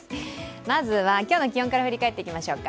まずは今日の気温から振り返っていきましょうか。